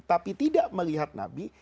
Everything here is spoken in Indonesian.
tapi tidak melihat nabi